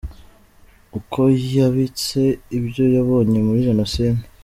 Uko yabitse ibyo yabonye muri Jenoside….